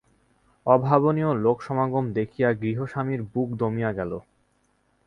অভাবনীয় লোকসমাগম দেখিয়া গৃহস্বামীর বুক দমিয়া গেল।